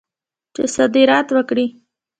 چې صادرات وکړي.